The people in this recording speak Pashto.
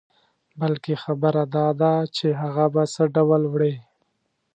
بلکې خبره داده چې هغه په څه ډول وړې.